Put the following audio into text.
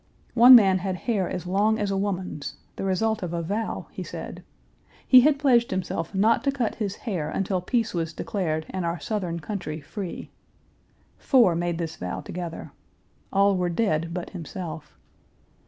One man had hair as long as a woman's, the result of a vow, he said. He had pledged himself not to cut his hair until peace was declared and our Southern country free. Four made this vow together. All were dead but himself.